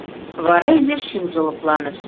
Вара изиш шӱмжӧ лыпланыш.